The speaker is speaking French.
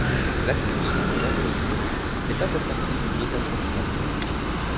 L'attribution de l'ordre du Mérite n'est pas assortie d'une dotation financière.